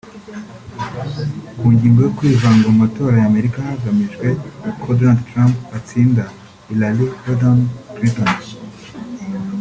Ku ngingo yo kwivanga mu matora ya Amerika hagamijwe ko Donald Trump atsinda Hillary Rotterdam Clinton